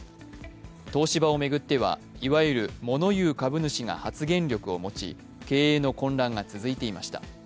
東芝を巡ってはいわゆる物言う株主が発言力を持ち、経営の混乱が続いていました。